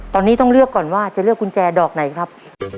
ตอนนี้ต้องเลือกก่อนว่าจะเลือกกุญแจดอกไหนครับ